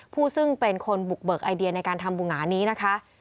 ผู้ซึ่งเป็นคนบุกเบิกไอเดียในการทำบุหงานี้นะคะ